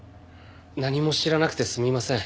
何も知らなくてすみません。